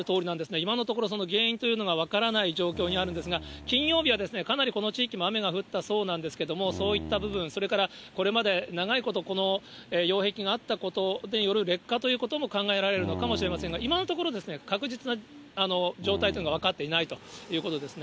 今のところ、その原因というのが分からない状況にあるんですが、金曜日はかなりこの地域も雨が降ったそうなんですけども、そういった部分、それからこれまで長いこと、この擁壁があったことによる劣化ということも考えられるのかもしれませんが、今のところ、確実な状態というのが分かっていないということですね。